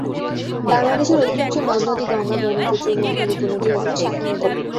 বাংলাদেশের অধিকাংশ নদ নদী গঙ্গা, ব্রহ্মপুত্র ও মেঘনার উপনদী অথবা শাখা নদী।